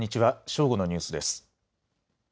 正午のニュースです。